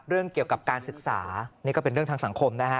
เรื่องเกี่ยวกับการศึกษานี่ก็เป็นเรื่องทางสังคมนะฮะ